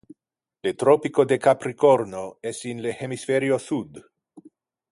Le tropico de Capricorno es in le hemispherio sud.